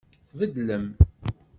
Tbeddlem.